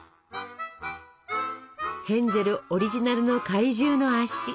ヘンゼルオリジナルの怪獣の足。